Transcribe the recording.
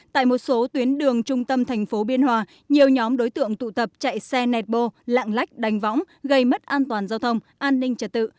tại một số tuyến đường trung tâm thành phố biên hòa nhiều nhóm đối tượng tụ tập chạy xe nẹt bô lạng lách đánh võng gây mất an toàn giao thông an ninh trật tự